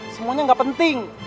semuanya gak penting